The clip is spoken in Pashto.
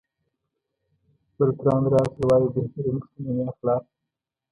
برتراند راسل وایي بهترینه شتمني اخلاق دي.